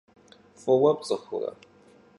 F'ıue pts'ıxure?